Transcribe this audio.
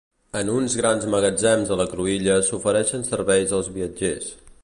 En uns grans magatzems a la cruïlla s'ofereixen serveis als viatgers.